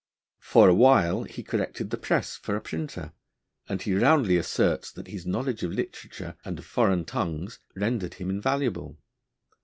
For a while he corrected the press for a printer, and he roundly asserts that his knowledge of literature and of foreign tongues rendered him invaluable.